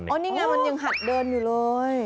นี่ไงมันยังหัดเดินอยู่เลย